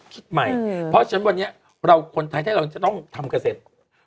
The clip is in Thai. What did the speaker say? คิดใหม่เพราะฉะนั้นวันนี้เราคนไทยถ้าเราจะต้องทำเกษตร